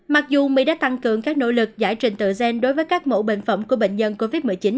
mặc dù mỹ đã tăng cường các nỗ lực giải trình tự gen đối với các mẫu bệnh phẩm của bệnh nhân covid một mươi chín